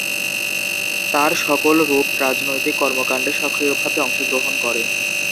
তারা সকল রূপ রাজনৈতিক কর্মকাণ্ডে সক্রিয়ভাবে অংশগ্রহণ করে।